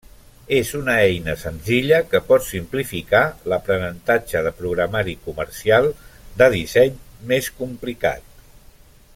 És una eina senzilla que pot simplificar l'aprenentatge de programari comercial de disseny més complicat.